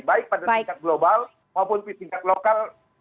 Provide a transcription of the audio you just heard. baik pada tingkat global maupun tingkat lokal